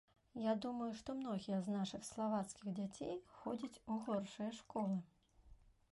Я думаю, што многія з нашых славацкіх дзяцей ходзяць у горшыя школы.